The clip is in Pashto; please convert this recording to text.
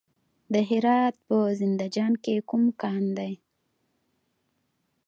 د هرات په زنده جان کې کوم کان دی؟